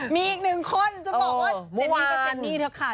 มีอีกหนึ่งคนจะบอกว่าเจนนี่ก็เจนนี่เถอะค่ะ